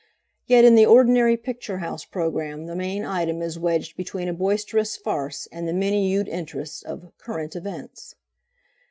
Yet in the ordinary picture house programme the main item is wedged between a boisterous farce and the many hued interest of "Current Events."